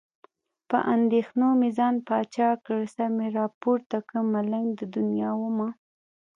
په اندېښنو مې ځان بادشاه کړ. سر مې راپورته کړ، ملنګ د دنیا ومه.